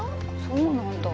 そうなんだ。